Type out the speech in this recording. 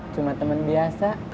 cuma temen biasa